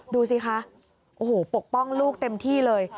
ดูสิคะโอ้โหปกป้องลูกเต็มที่เลย